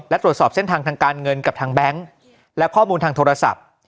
และตรวจสอบเส้นทางทางการเงินกับทางแบงค์และข้อมูลทางโทรศัพท์